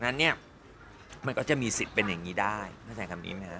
แบบนี้มันก็จะมีสิทธิ์เป็นแบบนี้ด้วยนะครับ